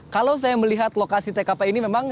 kalau saya melihat lokasi tkp ini memang